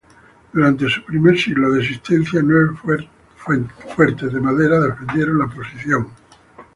Durante su primer siglo de existencia, nueve fuertes de madera defendieron la posición.